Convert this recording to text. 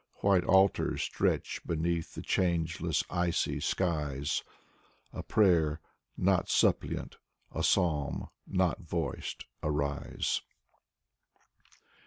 White altars stretch beneath the changeless icy skies, A prayer, not suppliant, a psalm, not voiced, — arise.